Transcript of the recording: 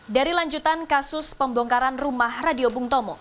dari lanjutan kasus pembongkaran rumah radio bung tomo